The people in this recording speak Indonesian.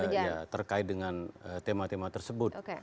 ya terkait dengan tema tema tersebut